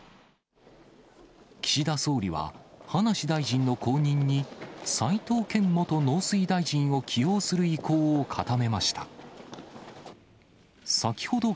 岸田総理は、葉梨大臣の後任に斎藤健元農水大臣を起用する意向を固めました。